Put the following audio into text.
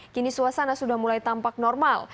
kini suasana sudah mulai tampak normal